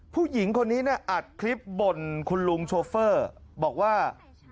ผู้หญิงคนนี้อัดคลิปบ่นคุณลุงโชเฟอร์บอกว่า